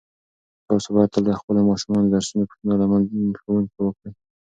تاسو باید تل د خپلو ماشومانو د درسونو پوښتنه له ښوونکو وکړئ.